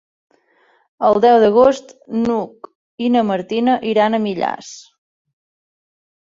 El deu d'agost n'Hug i na Martina iran a Millars.